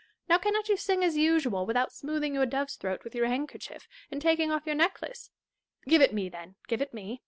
Now cannot you sing as usual, without smoothing your dove's throat with your handkerchief, and taking off your necklace 1 Give it me, then ; give it me.